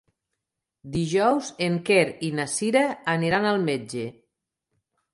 Dijous en Quer i na Cira aniran al metge.